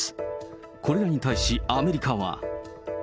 これらに対し、アメリカは。